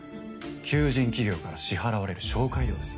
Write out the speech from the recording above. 求人企業から支払われる紹介料です。